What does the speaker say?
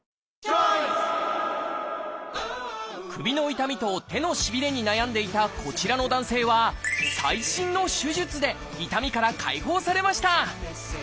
首の痛みと手のしびれに悩んでいたこちらの男性は最新の手術で痛みから解放されました。